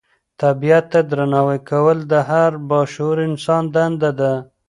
طبیعت ته درناوی کول د هر با شعوره انسان دنده ده.